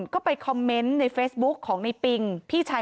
ก็ไปคอมเมนต์ในเฟซบุ๊คของในปิงพี่ชาย